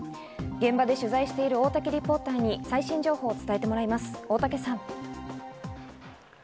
現場で取材してる大竹リポーターに最新情報を伝えてもらいます、大竹さん。